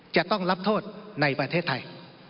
จะต้องรับโทษในประเทศไทย